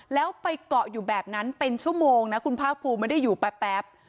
แล้วไปเกาะอยู่แบบนั้นเป็นชั่วโมงนะคุณภาคภูมิไม่ได้อยู่แป๊บ